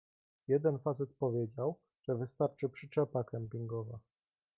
Jeden facet powiedział, że wystarczy przyczepa kempingowa.